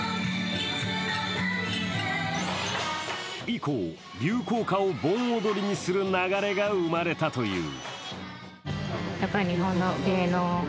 以降、流行歌を盆踊りにする流れが生まれたという。